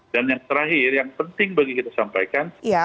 dan yang terakhir yang penting bagi kita sampaikan